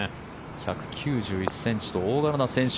１９１ｃｍと大柄な選手。